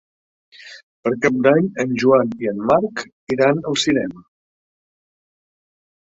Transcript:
Per Cap d'Any en Joan i en Marc iran al cinema.